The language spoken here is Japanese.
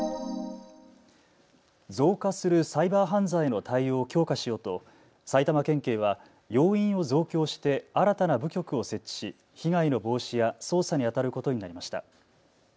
増加するサイバー犯罪への対応を強化しようと埼玉県警は要員を増強して新たな部局を設置し被害の防止や捜査にあたることになりました。